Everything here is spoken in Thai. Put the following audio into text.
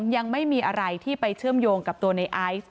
ยังไม่มีอะไรที่ไปเชื่อมโยงกับตัวในไอซ์